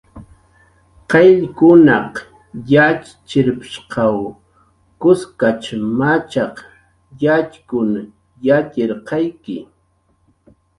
"Qayllkunaq yatxchirp""shq kuskach machaq yatxkun yatxirqayki"